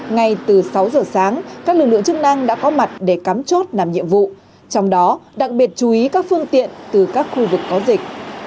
ngay từ sáu giờ sáng các lực lượng chức năng đã có mặt để cắm chốt làm nhiệm vụ trong đó đặc biệt chú ý các phương tiện từ các khu vực có dịch